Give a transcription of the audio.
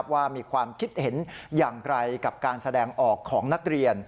ว่ามีความคิดเห็นอย่างไรกับการแสดงออกของนักเรียน